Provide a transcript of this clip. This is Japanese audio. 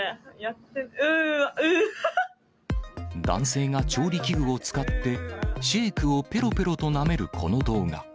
うわ、男性が調理器具を使って、シェークをぺろぺろとなめるこの動画。